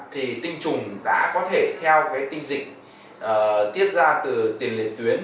thì tinh trùng đã có thể theo cái tinh dịch tiết ra từ tiền tuyến